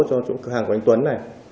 cho cửa hàng của anh tuấn này